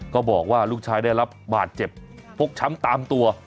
ก็บอกว่าลูกชายได้รับบาดเจ็บพกช้ำตามตัว